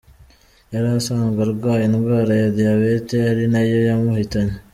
Yari asanzwe arwaye indwara ya diyabete, ari nayo yamuhitanye.